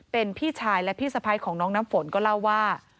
เป็นพี่ชายและพี่สะพ้ายของน้องน้ำฝนก็เล่าว่า